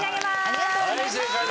ありがとうございます！